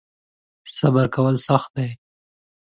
صبر کول سخت دی .